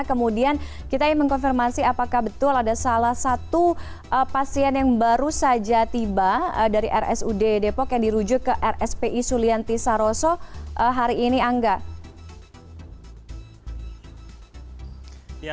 kemudian kita ingin mengkonfirmasi apakah betul ada salah satu pasien yang baru saja tiba dari rsud depok yang dirujuk ke rspi sulianti saroso hari ini angga